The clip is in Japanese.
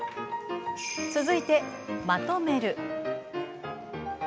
続いて、まとめる。